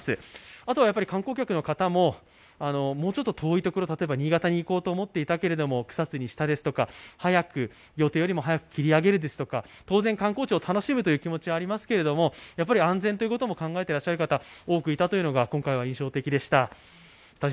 あと、観光客の方ももうちょっと遠いところ、例えば新潟に行こうと思っていたけれども、草津にしたですとか、予定より早く切り上げるとか当然観光地を楽しむという気持ちはありますけれども、安全も考えていらっしゃる方が多くいたのが印象的でした。